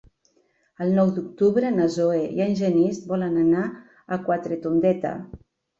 El nou d'octubre na Zoè i en Genís volen anar a Quatretondeta.